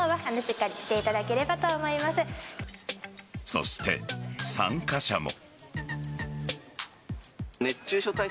そして、参加者も。